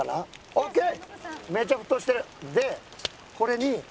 オーケー！